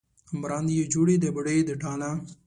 مراندې یې جوړې د بوډۍ د ټاله